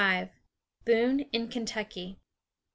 LXXV. BOONE IN KENTUCKY.